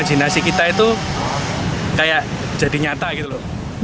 jadi game ini imajinasi kita itu kayak jadi nyata gitu loh